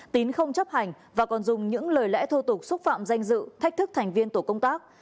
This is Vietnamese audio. tín không chấp hành và còn dùng những lời lẽ thô tục xúc phạm danh dự thách thức thành viên tổ công tác